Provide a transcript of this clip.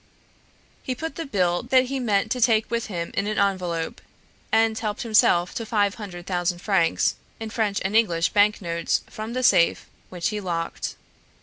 He put the bill that he meant to take with him in an envelope, and helped himself to five hundred thousand francs in French and English bank notes from the safe, which he locked.